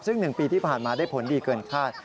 ซึ่งหนึ่งปีที่ผ่านมาได้ผลดีเกินภาษณ์